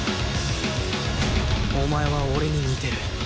お前は俺に似てる